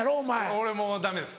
俺もダメです。